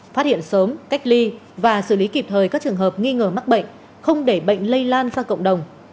phát hiện sớm cách ly và xử lý kịp thời các trường hợp nghi ngờ mắc bệnh không để bệnh lây lan ra cộng đồng